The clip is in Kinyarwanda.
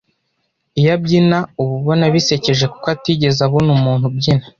iyo abyina uba ubona bisekeje kuko atigeze abona umuntu ubyina,